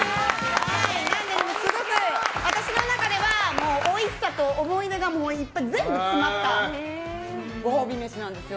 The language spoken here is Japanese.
すごく、私の中ではおいしさと思い出が全部詰まったご褒美飯なんです。